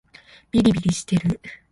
びりびりしてる